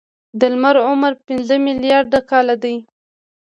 د لمر عمر پنځه ملیارده کاله دی.